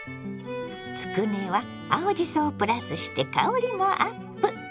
つくねは青じそをプラスして香りもアップ。